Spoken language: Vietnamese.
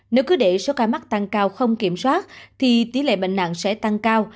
nếu cứ để số ca mắc tăng cao không kiểm soát thì tỷ lệ bệnh nặng sẽ tăng cao